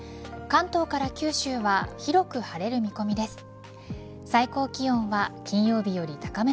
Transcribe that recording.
関東から九州は広く晴れる見込みです。